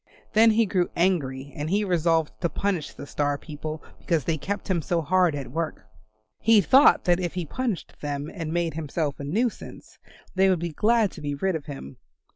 Then he grew angry and he resolved to punish the Star people because they kept him so hard at work. He thought that if he punished them and made himself a nuisance, they would be glad to be rid of him.